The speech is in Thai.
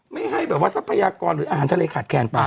ไม่ให้แบบวัศพยากรหรืออาหารทะเลขาดแขนปลา